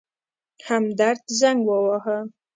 همدرد زنګ وواهه.